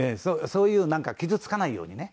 そういうなんか傷つかないようにね